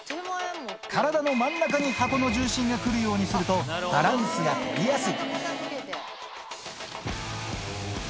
体の真ん中の箱に重心が来るようにすると、バランスが取りやすい。